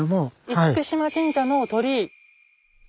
嚴島神社の鳥居。